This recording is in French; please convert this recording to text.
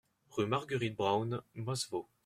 Rue Marguerite Braun, Masevaux